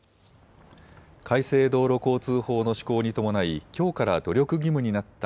改正道路交通法の施行に伴いきょうから努力義務になった